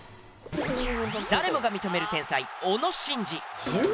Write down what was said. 誰もが認める天才小野伸二。